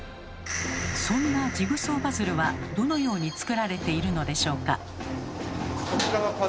そんなジグソーパズルはどのように作られているのでしょうか？